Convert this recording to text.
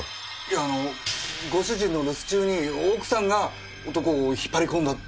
いやあのご主人の留守中に奥さんが男を引っ張り込んだって事ですか？